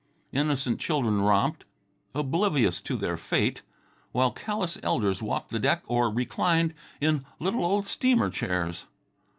Innocent children romped, oblivious to their fate, while callous elders walked the deck or reclined in little old steamer chairs.